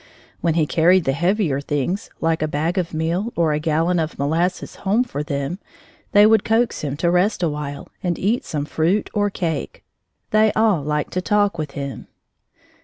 When he carried the heavier things, like a bag of meal, or a gallon of molasses home for them, they would coax him to rest awhile and eat some fruit or cake. They all liked to talk with him.